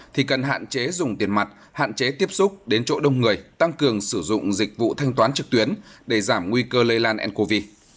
thì cần hạn chế dùng tiền mặt hạn chế tiếp xúc đến chỗ đông người tăng cường sử dụng dịch vụ thanh toán trực tuyến để giảm nguy cơ lây lan ncov